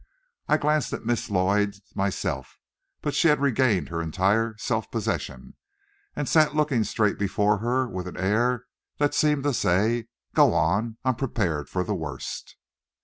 I glanced at Miss Lloyd myself, but she had regained entire self possession, and sat looking straight before her with an air that seemed to say, "Go on, I'm prepared for the worst."